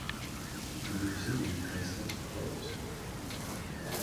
The museum has since closed.